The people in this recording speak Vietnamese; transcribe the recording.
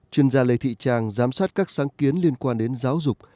chuyên gia lê thị trang giám sát các sáng kiến liên quan đến giáo dục